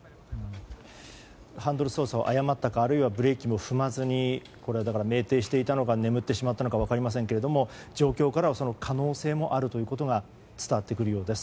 ハンドル操作を誤ったかあるいはブレーキを踏まずに酩酊していたのか眠っていたのかは分かりませんけれども状況からはその可能性もあることが伝わってくるようです。